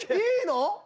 いいの？